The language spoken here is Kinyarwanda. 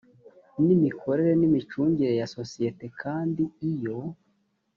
n imikorere n imicungire ya sosiyete kandi iyo